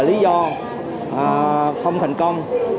lý do không thành công